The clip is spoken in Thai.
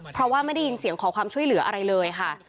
เพราะว่าไม่ได้ยินเสียงขอความช่วยเหลืออะไรเลยค่ะ